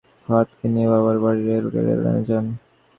দুপুরে বৃষ্টি তাঁর শিশু ছেলে ফাহাদকে নিয়ে বাবার বাড়ির এলাকার রেললাইনে যান।